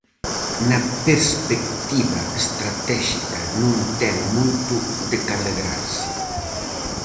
Na perspectiva estratéxica non ten moito de que alegrarse.